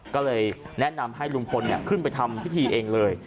ก็เลยแนะนำให้ลุงพลขึ้นไปทำพิธีเองเลย